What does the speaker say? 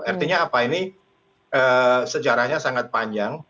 artinya apa ini sejarahnya sangat panjang